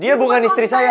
dia bukan istri saya